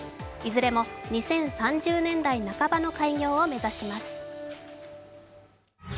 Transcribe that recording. いずれも２０３０年代半ばの開業を目指します。